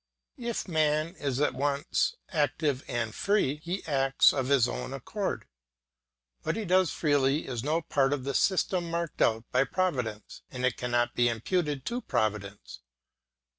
If man is at once active and free, he acts of his own accord; what he does freely is no part of the system marked out by Providence and it cannot be imputed to Providence.